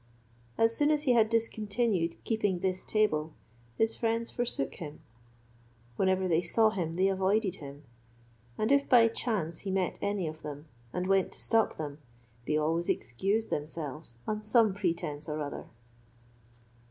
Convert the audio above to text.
As soon as he discontinued keeping this table, his friends forsook him; whenever they saw him they avoided him, and if by chance he met any of them, and went to stop them, they always excused themselves on some presence or other.